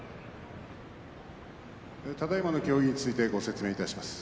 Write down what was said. ただいまの協議につきましてご説明いたします。